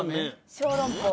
小籠包。